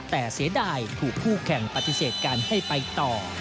แต่เสียดายถูกคู่แข่งปฏิเสธการให้ไปต่อ